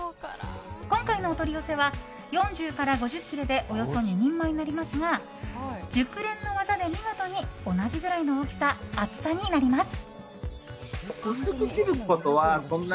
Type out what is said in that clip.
今回のお取り寄せは４０から５０切れでおよそ２人前になりますが熟練の技で見事に同じぐらいの大きさ、厚さになります。